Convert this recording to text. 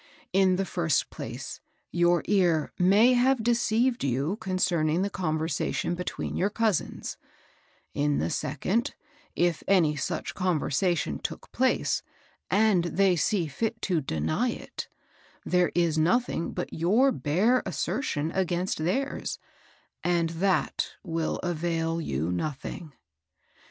In the first place, your ear may have deceived you concerning the conversation between your cousins ; in the second, if any such conversation took place, and they see fit to deny it, there is nothing but your bare assertion against theirs, and that will avail you nothing.